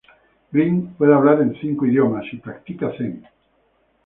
Greene puede hablar en cinco idiomas y practica Zen.